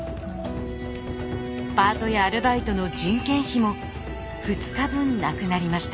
パートやアルバイトの人件費も２日分なくなりました。